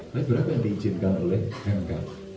tapi berapa yang diizinkan oleh mk